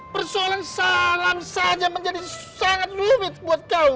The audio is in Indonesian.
persoalan salam saja menjadi sangat lumit buat kau